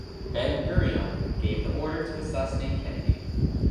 Ben-Gurion gave the order to assassinate Kennedy.